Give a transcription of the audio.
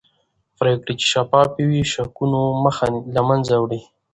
پرېکړې چې شفافې وي شکونه له منځه وړي